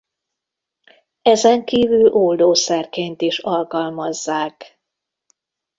Ezen kívül oldószerként is alkalmazzák.